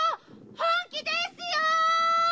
本気ですよ‼